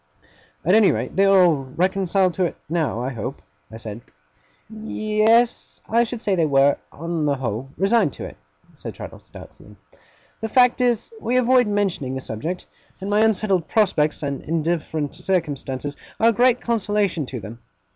'At any rate, they are all reconciled to it now, I hope?' said I. 'Ye yes, I should say they were, on the whole, resigned to it,' said Traddles, doubtfully. 'The fact is, we avoid mentioning the subject; and my unsettled prospects and indifferent circumstances are a great consolation to them.